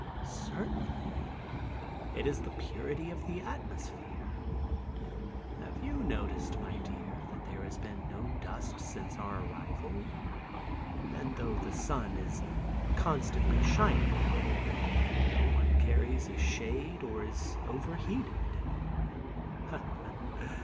"Certainly. It is the purity of the atmosphere. Have you noticed, my dear, that there has been no dust since our arrival? And, tho' the sun is constantly shining, no one carries a shade or is overheated.